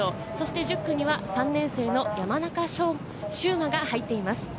そして１０区には３年生の山中秀真が入っています。